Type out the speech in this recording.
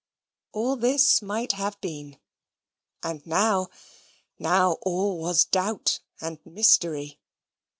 All this might have been; and now now all was doubt and mystery.